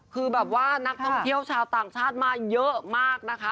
คือแบบว่านักท่องเที่ยวชาวต่างชาติมาเยอะมากนะคะ